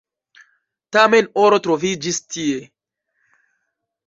Tamen oro troviĝis tie.